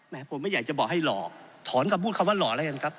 ผมไม่อยากจะบอกให้หล่อถอนคำพูดคำว่าหล่อแล้วกันครับ